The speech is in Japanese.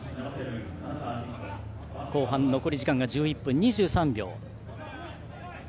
後半残り時間が１１分。